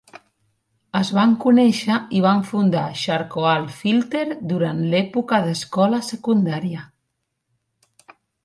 Es van conèixer i van fundar Charcoal Filter durant l'època d'escola secundària.